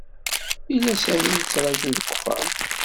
Yella Sami yettṛaju deg uxxam.